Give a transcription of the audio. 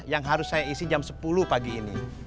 yang harus saya isi jam sepuluh pagi ini